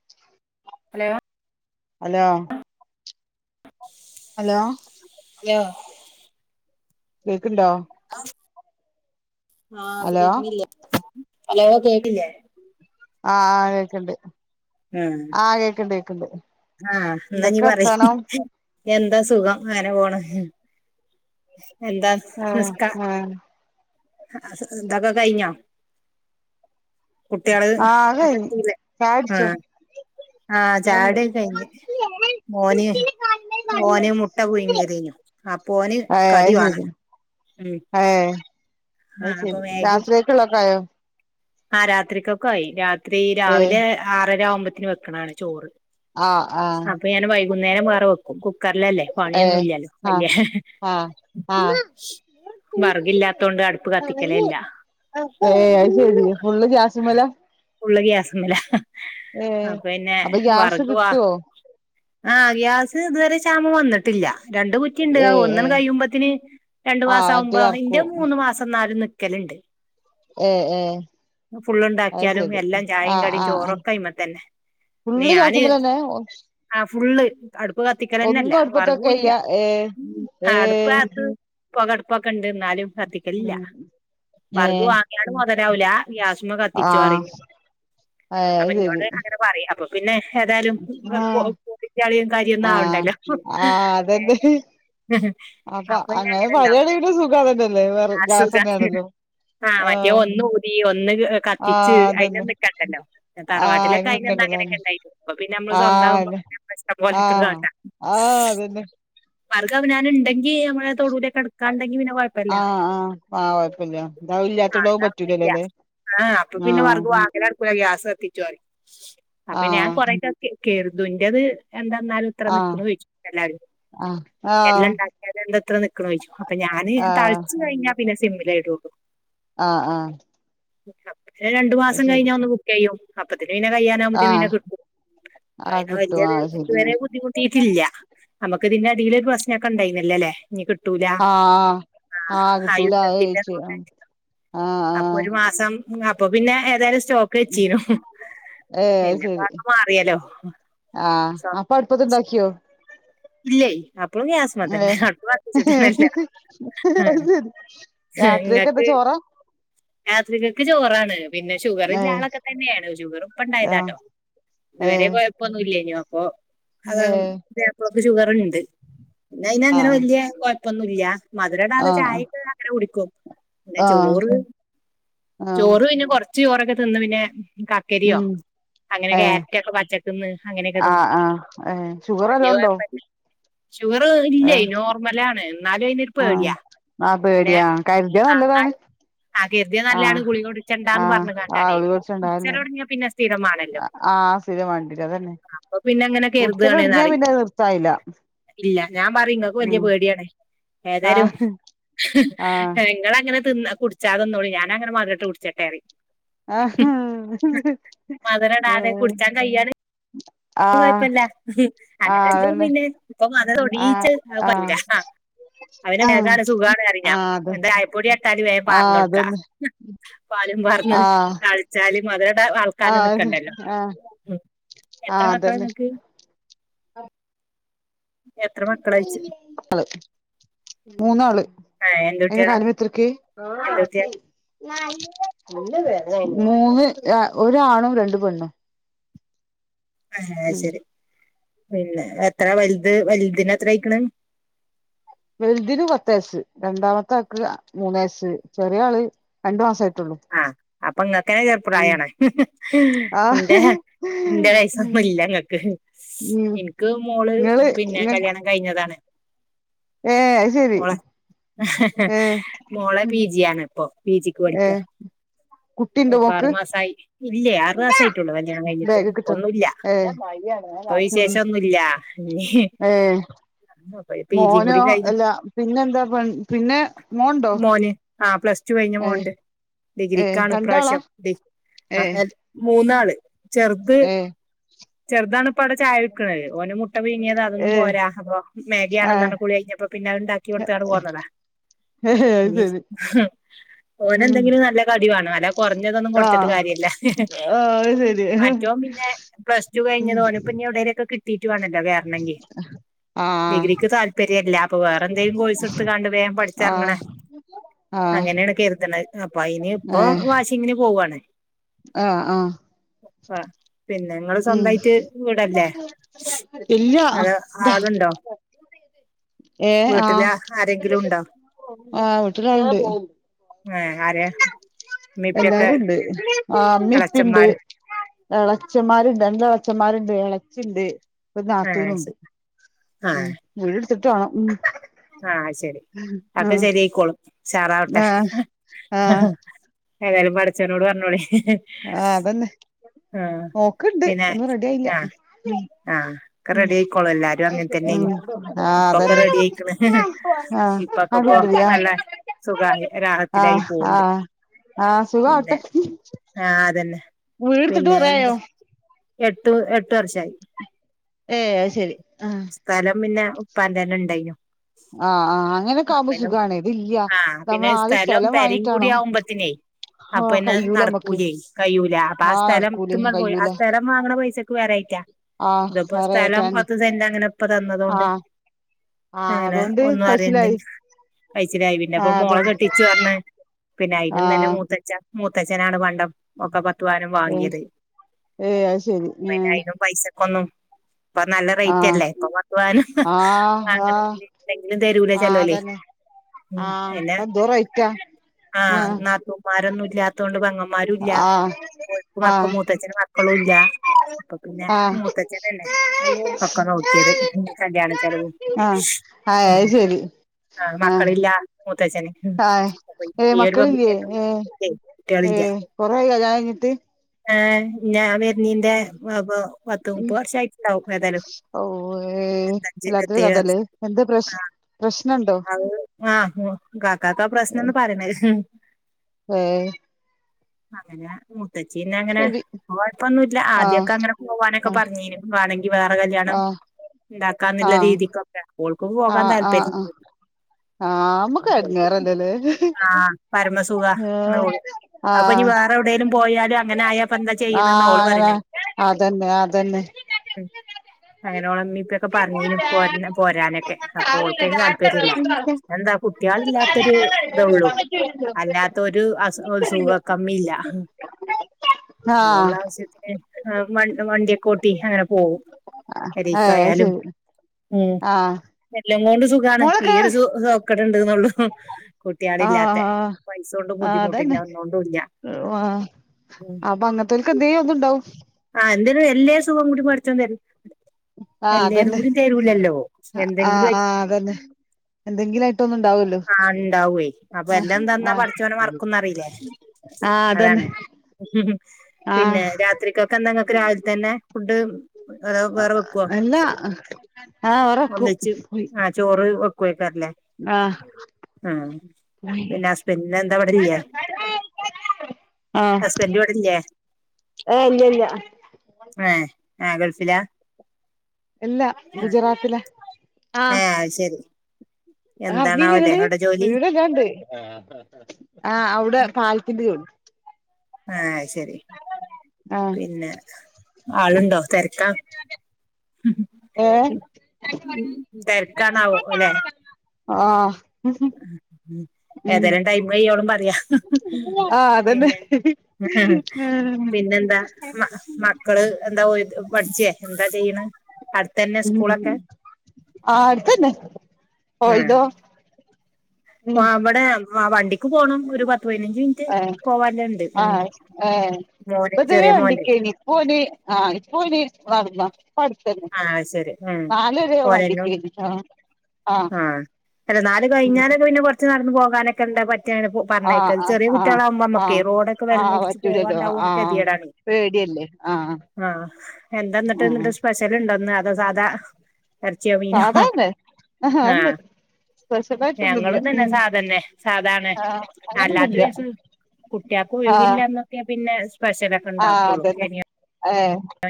[inaudible] Hello hello hello കേൾക്കണ്ടോ ആഹ് ആഹ് ഹലോ കേക്കണില്ല ഹലോ കേക്കില്ല ആഹ് കേൾക്കണ്ട്‌ ഉം ആഹ് എന്നാ ഇഞ് എന്തൊക്കെ പറി വർത്താനം എന്താ സുഖം അങ്ങനെ പോണ് എന്താ ആഹ് നിസ്കാ ആഹ് ഇതൊക്കെ കഴിഞ്ഞോ കുട്ട്യാള് കെത്തില്ലേ ചായ കുടിച്ചോ ആഹ് ചായുടി കൈഞ് മോന് ഓന് മുട്ട പുയ്ങ്ങിയതെന്നു ആപ്പൊന് കടി വാണം ഉം ഏഹ് ആഹ് അപ്പൊ അയ്ശരി മാഗി രാത്രിക്കളൊക്കായോ ആഹ് രാത്രിക്കൊക്കെ ആയി രാത്രി ഏ രാവിലെ ആറര ആവുമ്പത്തിന് വെക്കണാണ് ചോറ് ആഹ് ആഹ് അപ്പൊ ഞാൻ വൈകുന്നേരം വേറെ വെക്കും കുക്കറിലല്ലേ ഏ പണിയൊന്നുംല്ലല്ലോ ആ വല്യ ആ ആ വർഗില്ലാത്തൊണ്ട് അടുപ്പ് കത്തിക്കലല്ല ഏയ് ശരി ഫുള്ള് ഗ്യാസ്മേല ഉള്ള ഗ്യസമല ഏ അപ്പ പിന്നെ അപ്പൊ ഗ്യാസ് വർഗുവാ കിട്ടോ ആഹ് ഗ്യാസ് ഇതുവരെ ശക്ഷാമം വന്നിട്ടില്ല രണ്ട് കുറ്റി ണ്ട് ഏ ഏ ഒന്നും കഴിയുമ്പത്തിന് രണ്ടു ആ മാസം ആകുമ്പോ മറ്റേത് അന്റെ അറക്കും മൂന്ന് മാസം ന്നാലും നിക്കലുണ്ട് ഏ ഏ അത് ഫുള്ളുണ്ടാക്കിയാലും ശരി എല്ലാം ആ ചായും കടിം ആ ആ ചോറക്കയ്മ തന്നെ പിന്നെ ഫുള്ള് ഗ്യസമലന്നെ ഞാന് ആഹ് ഫുള്ള് അടുപ്പ് കത്തിക്കലന്നല്ല അടുപ്പത്തൊക്കെല്ല വർഗൂല്ല ഏ ഏ അടുപ്പ് പൊകടപ്പൊക്കെ ഇണ്ട് എന്നാലും കത്തിക്കില്ല ഉം ഏ വർഗ് വാങ്ങിയാലും മുതലാവൂല ഗ്യാസ്മ ആ കത്തിച്ചു പറ ഏ ശരി അപ്പൊോട് പറയും അപ്പൊ പിന്നെ ഏതായാലും ആ പട്ടിച്ചാളിയും കാര്യൊന്നും ആ ആാവണ്ടല്ലോ ആ അതന്നെ അപ്പൊ പിന്നെ അങ്ങനെ അങ്ങനണ്ടാവും പറയാണെങ്കി പിന്നെ സുഖം അതന്നെല്ലേ വേറെ ആഹ് ഗ്യാസ് സുഖ തന്നെയാണല്ലോ ആഹ് ആ മറ്റേ ഒന്ന് ഊദി ഒന്ന് ആ കത്തിച്ച് അയിന് അതന്നെ നിക്കണം ല്ലോ ആ തറവാട്ടിലൊക്കെ അയിന് അയിന്നന്ന് നിക്കണ്ടല്ലോ അങ്ങനെയൊക്കെ ഉണ്ടായിന് ഇപ്പൊ പിന്നെ നമ്മള് ആ സ്വന്താവും അന്നെ കാട്ടാ ആ വർഗ് ആ അതന്നെ അവനാൻ ണ്ടെങ്കി തൊടൂലക്കെ എടുക്കാണ്ടെങ്കി പിന്നെ കൊഴപ്പല്ല ആ ആ ആ കൊഴപ്പില്ല ഇതാ ഇല്ലാത്തോണ്ടാവും പറ്റൂലല്ലോല്ലേ ആഹ് അപ്പൊ ആ പിന്നെ വർഗ് വാങ്ങലടക്കൂല ഗ്യാസ് കത്തിച്ചോ റിം ആ അപ്പൊ ഞാൻ കൊരെ ഒക്കെ കേരുതു ഇന്റേത് എന്താന്നാലും ഇത്ര നിക്കുന്നു ചോയ്ച്ചി എല്ലാരും ആഹ് എല്ലാം ഉണ്ടാക്കിയലും ന്താത്ര നിക്കണ ചോദിച്ചോ അപ്പോ ഞാന് ആ തളിച്ച് കഴിഞ്ഞ പിന്നെ സിമ്മിലെടുള്ളു ആഹ് ആഹ് അപ്പപിന്നെ രണ്ടു മാസം കഴിഞ്ഞ ഒന്ന് ബുക്ക് ചെയ്യും, അപ്പത്തിന് പിന്നെ കയ്യാനാവകുമ്പോതിന് ആ പിന്നെ കിട്ടും ആ അയ്ന് കിട്ടും ആ വല്യൊരു ശരി ഇതുവരെ ബുദ്ധിമുട്ടിയിട്ടില്ല നമ്മുക്ക് ഇതിന്റെ അധൊ ഒരു പ്രശ്നംക്കെ ഉണ്ടായിുന്നല്ലേ ല്ലേ ഞ്ഞികിട്ടൂല ആ ആ ആഹ് ആഹ് കിട്ടൂല അത് യുദ്ധത്തിന്റെ ചോയിച്ച് തൊണ്ട് ആ ആ അപ്പൊ ഒരു മാസം അപ്പൊ പിന്നെ ഏതായാലും സ്റ്റോക്ക് വെച്ചീനു പിന്നെ ഇപ്പ അങ്ങ് മാറിയാലോ ആഹ് അപ്പൊ അടുപ്പത്ത് ഒണ്ടാക്കിയോ ഇല്ലേ അപ്പളും ഗ്യാസ്മ ഏയെ തന്നെ അടുപ്പ് കത്തിച്ചിട്ടന്നല്ല രാത്രിലേക്ക് എന്താ ചോറാ രാത്രികക്ക് ചോറാണ് പിന്നെ ഏ ഷുഗറല്ല ആളൊക്കെ തന്നെയാണ് ഷുഗർ ഇപ്പ ഉണ്ടായതാട്ടോ ഏഹ് പ്പൊന്നും ഇല്ലെനു അപ്പൊ അതാ നേരത്തത്തെ ഷുഗർ ഉണ്ട് പിന്നെ അയിന് ആ അങ്ങനെ വല്ലിയ കൊഴപ്പൊന്നുമല്ല ആ മധുരടാതെ ചായയൊക്ക അങ്ങനെ കുടിക്കും പിന്നെ ആ ചോറ് ആ ചോറ് പിന്നെ കൊറച്ച് ചോറൊക്കെ തിന്ന് പിന്നെ ക ഉം ഏ പച്ചക്ക്ന്ന് അങ്ങനെയൊക്കെ ആഹ് തിന്നും ആഹ് ഏ ഷുഗറ് വല്യ വല്ലോം ഒണ്ടോ കൊഴപ്പല്ല ഷുഗർ ഏ ഇല്ലേ നോർമലാണ് എന്നാലും അയിനൊരു ആഹ് പേടിയാ ആഹ് പിന്നെ പേടിയാണ് കരുതിയാ നല്ലതാണ് ആ കരുതിയ നല്ലാണ് ആഹ് ഗുളിക ആഹ് ആൾ ഓടിച്ചോണ്ടാ വരുന്നത് പിന്നെ പിന്നെ സ്ഥിരമാണ് ആഹ് സ്ഥിരം വാണ്ടിവരും അത് തന്നെ അപ്പൊ പിന്നെ അങ്ങനെ കുടിചില് കരുതാണ്ന്ന് തൊടങ്ങിയാ പറയും പിന്നെ അത് നിർത്ത് ആയില്ല ഇല്ല ഞാൻ പറയും നിങ്ങക്ക് വലിയ പേടിയണേ ഏതാലും ആഹ് ആഹ് ഇങ്ങള് അങ്ങനെ തിന്ന ച്ചാറൊന്നും ഇവിടെ ഞാനങ്ങനെ മധുരം ഇട്ട് കുടിച്ചട്ടെറെയി ആഹ് മധുരം ഇടാതെ ഉം കുടിച്ചാൻ കഴിയാതെ - ആഹ് കൊഴപ്പല്ല ആഹ് അങ്ങനെല്ലും അതന്നെ പിന്നെ ഇപ്പം അത് ആഹ് തൊടിച്ച് പ [unintelligible] റൂല [unintelligible] അവന് ആഹ് വേഗ ആഹ് [unintelligible] സുഖാണ് കറിഞ്ഞാ ആഹ് അതെ എന്തായപ്പൊടിാട്ടാലും വേ [unintelligible] പാർന്നു ആഹ് കൊടുക്ക അതന്നെ പാലും പാർന്നു ആഹ് കഴിച്ചാലും മതര [unintelligible] ണ്ടാ ക്കാന ആഹ് നിക്കണ്ടല്ലോ ആഹ് എത്ര ആഹ് മക്കളാ അതന്നെ നിങ്ങക്ക് എത്ര മക്കളായ്ച്ച് [unintelligible] മൂന്നാള് ഏഹ് എന്ത് അയിന്റെ കുട്ട്യാളാ കാലം എത്രക്കെ എന്ത് കുട്ട്യാ മൂന്ന് ഒരാണും രണ്ട് പെണ്ണും [inaudible] ആഹ് ഉം അയ്ശേരി പിന്നെ എത്ര വലുത് വലുതിന് എത്ര അയിക്ക്ണ് വലുതിന് പത്തുവയസ് രണ്ടാമത്തെ ആക്ക് മൂന്നുവയസ് ചെറിയ ആള് രണ്ടു മാസം ആയിട്ടുള്ളു ആഹ് അപ്പൊ ഇങ്ങക്കെ ചെറു പ്രായണ്‌ നിന്റെ ആഹ് എന്റെ വയസ് ഉം ഒന്നും ഇല്ല നിങ്ങക്ക് ഉം എനിക്ക് മോള് ഇങ്ങള് പിന്നെ കല്യാണ കഴിഞ്ഞതാണ് ഏയെ ശരി ഏഹ് മോള് പിജിയാണ് ഇപ്പൊ പിജിക്ക് ഏഹ് പഠിക്കുവാ കുട്ടിണ്ട് ഇപ്പൊ മോക്ക് ആറുമാസായി ആ ഇല്ലേ ആറു മാസാ ആയിട്ടൊള്ളു കല്യാണം കഴിഞ്ഞിട്ട് ബാഗ് ഇപ്പൊന്നുല്ല. [unintelligible] വിശേഷം ഒന്നുമില്ല ഏയ് മോനോ കൂടി കഴിഞ്ഞ് എല്ലാ പിന്നെ എന്താ പിന്നെ മോൻ ഉണ്ടോ ആഹ് പ്ലസ് ടു കഴിഞ്ഞ മോനുയുണ്ട് ഏ ഡിഗ്രിക്കാണ് രണ്ടാളാ ഇപ്രാവശ്യം ഡി ഏ മൂന്നാള് ചെറുത് ഏ ചെറുതാണ് ഇപ്പ അവിടെ ചായ വിക്ക്ണത് ഓന് മു ട്ട പുഴുങ്ങിയത് അതൊന്നും ഏ പോരാ അപ്പൊ ആ മാഗിയാണെന്ന് പറഞ്ഞ് കുളി കഴിഞ്ഞപ്പോ പിന്നെ അതുണ്ടാക്കി കൊടുത്താണ് പോന്നതാ അത് ശരി ഓന് ഉം എന്തെങ്കിലും നല്ല കടിവാണോ അല കൊറഞ്ഞതൊന്നും ആ കൊടുത്തിട്ട് കാര്യമില്ല ആ അത് ശരി ഉം മറ്റോൻ പിന്നെ പെസ് - റ്റു കഴിഞ്ഞ താ ഓന്പ്പന്ന് എവിടേലൊക്കെ കിട്ടീട്ട് വേണലോ കേറണൊങ്കി ആ ഡിഗ്രിക്ക് താല്പര്യല്ല അപ്പ വേറെ എന്തേങ്കിലും കോഴ്സ് എടുത്ത് കാണ്ട് വേഗം ആ പഠിച്ചിറങ്ങണം ആ അങ്ങനെയാണ് കേക്കണത് അയിന് ഇപ്പൊ അയിനി ഇപ്പൊ വാശിയിങ്ങനെ പോവാണ്. ആഹ് ആഹ് ആഹ് പിന്നെ നിങ്ങള് സ്വന്തമായിട്ട് വീടല്ലേ ഇല്ല അതോ ദാ ആള് ഇണ്ടോ ഏ ആഹ് ആരെങ്കിലും ഉണ്ടോ ആ ഹ് വീട്ടില് ആളുണ്ട് ഏ ആരെ ഉമ്മിപ്പിയൊക്കെ എല്ലാരുയുണ്ട് ആ ഉമ്മയും ഉപ്പയും ഇണ്ട് ഇളച്ചന്മാര് ഇളച്ചന്മാരുണ്ട് രണ്ട് ഇളച്ചന്മാരുണ്ട് ഇളച്ചിണ്ട് ഒരു ആ നാത്തൂനുണ്ട്. ശരി ആ ഉം വീട് ടുത്തിട്ട് വേണം ഉ ആഹ അത് ശരി തെ ശരിയായിക്കോളും ഉഷാറാവട്ടെ. ആഹ് ആഹ് ആഹ് ഏതായാലും പടച്ചോനോട് പറഞ്ഞോളി ഹി ഹി ആ അതന്നെ നോക്ക്ണ്ട് ഒന്നും റെഡി ആയില്ല. ആഹ് ഒക്കെ ഉം റെഡി ആയിക്കോളൂ എല്ലാരും അങ്ങനെ തന്നെ ഉം ഏനി ആഹ് ഇപ്പൊക്കെ അതന്നെ റെഡി ആയി. ഹി ആഹ് ഇപ്പൊക്കെ ഇപ്പൊ അതെന്തിനാ നല്ല സുഖായി റാഹത്തിലായി ആഹ് പോവ്ണ്ട്. ആഹ് ആഹ് പിന്നെ സുഖാവട്ടെ ആഹ അതന്നെ വീടെടുത്തിട്ട് പിന്നെ എന്താ? കൊറേയായോ എട്ടു എട്ട് വർഷായി. ഏയ് അയ് ശരി ആഹ സ്ഥലം പിന്നെ ഉപ്പാന്റന്നെ ഉണ്ടായിനു. ആഹ് ആഹ് ഹസ്ബൻഡു അങ്ങനൊക്കെ ആ ആവുമ്പോ പിന്നെ സുഖാണ് ഇതില്ല ആഹ പിന്നെ നമ്മളാദ്യം സ്ഥലം പെരിം കൂടി വാങ്ങിട്ടാണോ ആവുമ്പത്തിനേ? ആഹ് അപ്പൊന്നെ കയ്യൂല നമ്മക്ക് നടക്കൂലെയ് കയുല അപ്പൊ ആ ആഹ് നടക്കൂലേ സ്ഥലംമ്മൾ പോയി ആ കയ്യൂല സ്ഥലം വാങ്ങണ പൈസക്ക് പെര കേറ്റാ. ആഹ് ഇതിപ്പോ സ്ഥലം പറയറ്റാണ്ട് പത്ത് സെന്റ് അങ്ങനെ ഇപ്പ തന്നത് കൊണ്ട്. ആഹ് ആഹ് അങ്ങനെ അതുകൊണ്ട് ഒന്നും പശിലായി അറിന്നില്ല കയിച്ചിലായി പിന്നെ അപ്പൊ ആഹ് മോളെ അതന്നെ കെട്ടിച്ചു പറ പിന്നെ അയിനും തന്നെ ആഹ് മൂത്തച്ഛൻ മൂത്തച്ഛനാണ് പണ്ടം. ഒക്കെ പത്തു പവനും ഏഹ് വാങ്ങിയത് ഏഹ് അത് ശരി പിന്നെ ഏഹ് അതിനും പൈസ. ഒന്നും ഇപ്പൊ നല്ല ആഹ് റേറ്റല്ലേ ഇപ്പൊ പത്തു ആഹ് പവനുംങ്ങനെ. ആഹ് ഇണ്ടെങ്കിലും തരൂല ആഹ് ചെലോ ലെയ്. അതന്നെ ആഹ് ഇപ്പെന്തോറേറ്റാ. ആഹ് നാത്തൂന്മാരൊന്നും ഇല്ലാത്തൊണ്ട് പെങ്ങന്മാരുല്ല. ആഹ് മക്ക ആഹ് മൂത്തച്ഛന് മക്കളും ഇല്ല. അപ്പൊ പിന്നെ ആഹ് മൂത്തച്ചെനല്ലേ ഒക്കെ നോക്കിയത് കല്യാണ ചെലവും. അ ആ ആഹ മക്കളില്ല മൂത്തച്ചന്. ആഹ് ഏ മക്കളിലേ? ഇലെയ്. ഏ കൊറേ ആയോ കല്യാണം കഴിഞ്ഞിട്ട്? ഏ ഞാൻ വരുണീന്റെപ്പ പത്ത് മുപ്പത് വർഷായിട്ടുണ്ടാവും ഏതായാലും. ഔവ്വേ വല്ലാത്തൊരു ഇരുപത്തേഴ് കഥ ല്ലേ വർഷം എന്ത് പ്രശ് പ്രശ്നണ്ടോ? ആഹ കാക്കാ ആ പ്രശ്നംന്ന പറയ്ണെ. എ അങ്ങനെ മുത്തച്ചിന്ന അങ്ങനെ ശരി ഇപ്പ കൊഴപ്പൊന്നുല്ല ആഹ് ആദ്യമൊക്കെ അങ്ങനെ പോവാനൊക്കെ ആഹ് പറഞ്ഞീനു വാണെങ്കി. വേറെ ആഹ് കല്യാണംണ്ടാക്കാന്നുള്ള ആഹ് തീതിക്കൊക്കെ പോകാൻ താല്പര്യല്ല്യ. ആ മ്മക്ക് എടങ്ങറല്ലേലേ. ആഹ് പരമസുഖ എന്ന്ഓള് അപ്പൊഞ്ഞി ആഹ് വേറെ എവിടെേ പോയാൽ അങ്ങനെ ആയാപ്പോ എന്താ ചെയ്യണ്ന്ന് ഓൾ പ അവ അതന്നെ അതന്നെ. മ്മ്ഹ് അങ്ങനോളമ്മി ഇപ്പിക്കെ പറഞ്ഞീനു പോര് പോരാനൊക്കെ അപ്പൊൾക്കയിന് താല് പേര്ല്ല എന്താ കുട്ട്യാള് ഇല്ലാത്തൊരു ഇതൊള്ളൂ. അല്ലാത്തൊരു അസ് സുഖ കമ്മി ഇല്ല. ആഹ്‌. ആശ്യത്തിന് വണ്ടിയക്കെോട്ടി അങ്ങനെ പോവും പെരിക്കായാലും.. ആഹ്‌. എല്ലോങ്കോട്ട് സു മൊളകേറ്. സൊക്കട്ണ്ട് ന്നൊള്ളു ഹ്. കുട്ട്യാള് ഇില്ലാത്ത ആഹ് ആഹ് പൈസൊണ്ടും ആഹ് ബുദ്ധിമുട്ടില്ല അതന്നെ ഒന്നൊണ്ടു ഇല്ല. ആഹ് ഉം അപ്പൊ അങ്ങൻത്തോര്ക്ക് ദേയം ഒന്ന് ണ്ടാവും ആ എന്തെരു എല്ലേ സുഖഗൂടി പടച്ചോൻ തെ ആഹ് അതന്നെ ആ എന്തെങ്കിലും ആ ആയിട്ട് അതെന്നെ. എന്തെങ്കിലുയിട്ടൊന്ന്ണ്ടാവല്ലോ ആ ഉണ്ടാവേ അപ്പൊ ആഹ് എല്ലാം തന്നാ ആഹ് പടച്ചോനെ മറക്കുന്നറിയില്ലേ ആ അതാണ് അതന്നെഹ്. പിന്നെ രാത്രിക്കൊക്കെഎന്തേ രാവിൽ തന്നെ ഫുഡ്. അതോ അ വേറെ വെക്കുവോ അ അല്ലാ അഹ് ആ വേറക്കു. ഒന്നിച്ച് വി ആ ചോറ് വെക്കു [unintelligible] ആഹ് പിന്നെ ഹസ്ബെന്റെനെന്താ ഇവിടെല്ല്യ ഹസ്ബന്റ് ഇവിടെല്ല്യ. ഏ ഇല്ല്യല്ല്യ. ഏഹ് ഏ ഗൾഫിലാ? എല്ലാ ഗുജറാത്തില ഏഹ് അയ്ശരി. ആർഞ്ഞിലങ്ങള് ജോലി വീടല്ലാംണ്ട്. ആ ഹ ഹ ഹ ഏ അവ്ടെ പാൽത്തിന്റെ ചോട് ആഹ് ശരി ആഹ് പിന്നെ. ആളുണ്ടോ തിരക്കാ ഏ ഉം, തിരക്കാണാവോ ഹാ ഏതെലും ടൈംയ്യോളം പറയാ ആഹ് അതന്നെ പിന്നെ. ഉം പിന്നെന്താ മക്കള് എന്താ ഓര്. പഠിച്ചേ എന്താ ചെയ്യണ്? അടുത്തന്നെ സ്കൂളൊക്കെ ആടുത്തന്നെ ഓൽതോ ഉം അ അവടെ വണ്ടിക്ക് പോണം ഒരു പത്ത് പതിനഞ്ച് ഏ പോവാല്ലണ്ട് ആ ഉം ഏ മോന് ബദരെ ചെറിയ മോന്റെ വണ്ടിക്കെയ്‌ന് ഇപ്പൊല് ആഹ് ഇപ്പൊല് ങ്ങളവ്ട്ന്നാ പ്പടുത്തെന്നെ. ആഹ് ശരി ഉം നാലൊര് ഓനെന്നും വണ്ടിക്കേരി ആ. ആഹ് അല്ല നാല് കഴിഞ്ഞാലൊകെ പിന്നെ കൊറച്ച്നടന്ന് പോകാനൊക്കെന്താ പറ്റ്ണ് പോ ആഹ് പറഞ്ഞേക്ക ആഹ് ചെറിയ ആഹ് കുട്ട്യോളെവുബോ മ്മക്കെ ആഹ് റോഡൊക്കെ ആഹ് വെൽങ്ങുട്ച് പറ്റൂലല്ലോ പോവാണ്ടാവോന്ന് ആഹ് ക്കെതിടാണ്. പേടിയല്ലേ ആഹ് ആഹ് എന്തന്നട്ട് ആഹ് ന്ന്ട്ട് സ്പെഷ്യൽ ഉണ്ടോന്ന് അതോ സാധാ എറചിയൊ മീനോ അഹാ ആഹ് അഅ്ണ്ട്.. ഞങ്ങളും തന്നെ സാധന്നെ സാധാണ് ആഹ് അല്ലാത്ത അങ്ങനൊന്നുല്ല ദിവസം കുട്ടിയക്ക് ആഹ് ഒഴിവില്ല ന്നൊക്കെ പിന്നെ സ്പശല. ആഹ് അതന്നെ ഏ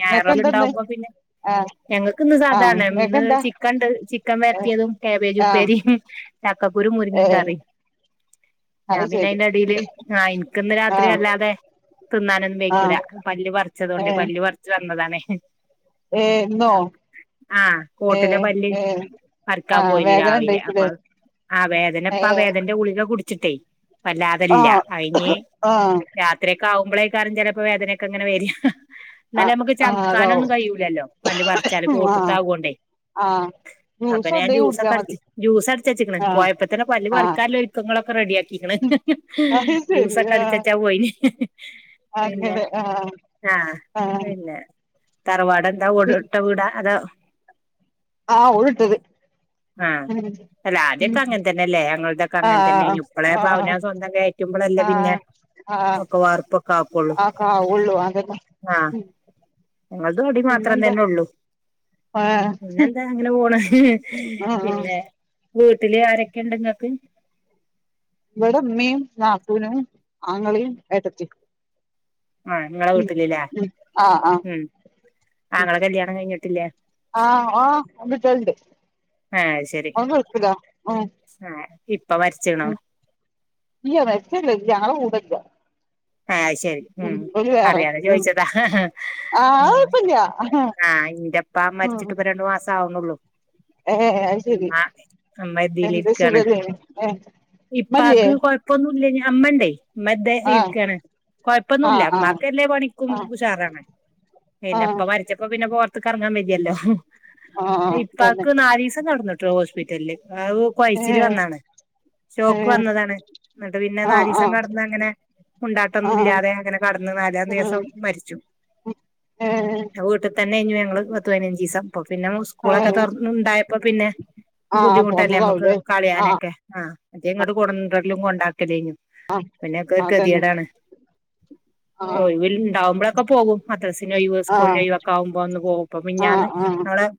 ഞായറ ഉണ്ടാവുമ്പോ പിന്നെ ഞങ്ങൾക്ക് ഇന്ന് ആഹ് സാധാരണ ഇന്ന് ഇങ്ങക്കെന്താ ചിക്കൻ ഉണ്ട് ചിക്കൻ ഏഹ് വരത്തിയതും കാബേജ് ആഹ് ഉപ്പേരിയും ചക്കക്കുരു മുരിങ്ങും ഏഹ് കറി അത് ഞാൻ പിന്നെ ശരി അയിന്റെ അടിൽ ആ എനിക്കിന്ന് രാത്രി ആഹ് അല്ലാതെ തിന്നാന ക്കുര ആഹ് പല്ല് പറിച്ചതൊണ്ട് ഏഹ് പല്ല് പററച്ചു വന്നതാണ് ഏഹ് ന്നോ? ആഹ് കോട്ട് ന്റെ പല്ല് പറിക്കാൻ ആഹ് പോയിനു വേദന രാവിലെ അപ്പ ഇണ്ടായിക്കുലേ അ ആ വേദനപ്പ ആ ഏഹ് വേദന്റെ ഗുളിക കുടിച്ചിട്ടേ വല്ലാതല്ല ആഹ് അയ്ഞ്ഞി ആഹ് രാ ത്രിയൊക്കാവുമ്പളേകാ ചെരപ്പോ വേദനയൊക്കെങ്ങനെ വര എന്നാലെ ആഹ് നമുക്ക് ആഹ് അതാവും ചമക്കാനൊന്നും കഴയിൂലല്ലോ പല്ല് പററച്ചാല് കൂട്ടത്ത ആഹ് ആവോണ്ടേ ആഹ് അപ്പൊ ജ്യൂസ് ഞാൻ എന്തേലും കുടിച്ചാ ജ്യൂസൊക്ക മതി അട്‌ച് ജൂസടിച്ചെച്ച്ക്ക്ണ് ആഹ് പോയപ്പ തന്നെ പല്ല് ആഹ് പറിക്കാൻ ള്ള ഒരുക്കങ്ങളൊക്ക റെഡിയാക്കീക്ക്ണ് അത് ശരി ആഹ് ജൂസൊക്കടിച്ചെച്ചാ പോയിനെ അങ്ങനെ ആഹ് ആഹ് പിന്നെ തറവാട എന്താ ഒട്ട വീടാ അതോ ആഹ് ഒൾട്ടത് ഉം അല്ലാ ഉം ആദ്യൊക്കെ അങ്ങനെ തന്നെല്ലേ ഞങ്ങളുടെൊക്കെ അങ്ങനെ തന്നെ ആഹ് ഇനി ഇപ്പളെ ഭാവന ആഹ് സ്വന്തം കയറ്റുമ്പോളല്ലേ പിന്നെ ആഹ് ഒക്ക വാർപ്പൊക്കാകൊള്ളു ആക്കാഹൊള്ളു അതെന്നെ ആഹ ഞങ്ങൾതും അടി മാത്രം പിന്നെന്താ തന്നെയൊള്ളൂ ആഹ് പിന്നെന്താ അങ്ങനെ പോണ് ആഹ് പിന്നെ വീട്ടില് ആരെക്കെ ഇണ്ട്ങ്ങക്ക്? ഇവടെ ഇമ്മിം, നാത്തൂനും, ആങ്ങളിം, ഏട്ടത്തിം ആഹ് ഇങ്ങളെ ഉം വീട്ടിലില്ലേ ഉം ആഹ് ആഹാ ഉം ഉം ആങ്ങളെ കല്യാണം കഴിഞ്ഞിട്ടില്ലേ ആഹ് ആ രണ്ട്ട്ട്യള്ണ്ട് ഏഹേ അഹ്ശെരി അവൻ ഗൾഫിലാ ഉം ആ ഇപ്പ മര്ച്ച്ണോ? ഇല്ല്യ മെര്ച്ചെല്ല ഇല്ല്യ ഞങ്ങളെ കൂടെല്ല്യ ഏഹേ അഹ്ശെരി ഉം വേറെ അറിയതെ ഉം ചോയ്ച്ചെതാ ആഹ് അത് കൊഴപ്പല്ല ആഹ് ഇന്റെപ്പാ ഉം മര്ച്ചിട്ട്പ്പം രണ്ടു മാസാവ്ണൊള്ളു ഏഹ് അത് ശരി ഇമ്മ എന്ത് ഇമ്മദ്ധീലിര്ക്കാണ്. സുഖല്ലേ ഏഹ് ഇമ്മല്ലേ ഇപ്പാക്ക് കൊഴപ്പൊന്നുല്ലേനി ആ ഇമ്മണ്ടേ ഇമ്മദ്ധേ ആഹ് ക്കാണ് കൊഴപ്പൊന്നുല്ല ആഹ് ആഹ് ഇമ്മാക്കെല്ലേ പണിക്കും ആഹ് ഉഷാറാണ് പിന്നെപ്പ ആഹ് മര്ച്ച അപ്പം പിന്നെപ്പം പൊർത്ത്ക്കെറങ്ങാ ബെജ്ജല്ലോ ആഹ് തന്നെ ഇപ്പാക്ക് നാലീസം കട്ന്നട്ടൊ ത്തൊ ഹോസ്പിറ്റൽല് അഹൂ കൊഴച്ചില് ഏഹ് വന്നാണ് ഷോക്ക് ഏഹ് വന്നതാണ് ഇന്നട്ട് പിന്നെ ആഹ് നലീസം ആഹ് കടന്നങ്ങനെ ആഹ് മുണ്ടാട്ടൊന്നുല്ലാതെ അങ്ങനെ കടന്ന് നാലാം ഉം ദിവസം മരിച്ചു ഏഹ് പ്പൊ വീട്ട് തന്നെഞ്ഞു ഞങ്ങള് പത്ത് പയ്നെഞ്ചീസം ഇപ്പെപിന്നെ സ്കൂളൊക്കെ ഏഹ് തൊറന്ന് ണ്ടായപ്പ പിന്നെ ആഹ് ബുദ്ധിമുട്ടല്ലേ ഞമ്മക്ക് പോന്നതാവുല്ലേ ആഹ് കളിയാനൊക്കെ ആഹാ ആദ്യങ്ങെട്ട് കൊണ്ടര്ലും കൊണ്ടാക്കലേനു ആഹ് പിന്നെക്കൊരു അതന്നെ കെതിയെടാണ്. [inaudible] ഒഴിവില്ണ്ടാവുമ്പളൊക്കെ പോവും മദ്രസസിന് ഒഴിവ്, ആഹ് സ്കൂളിനൊയിവ്, ഒക്കാവുമ്പോ ഒന്ന് പോവും ഇപ്പ ആഹ് മിഞാന്ന് ആഹ് ഞങ്ങളെ